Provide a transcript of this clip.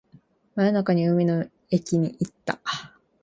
真夜中に海の駅に行った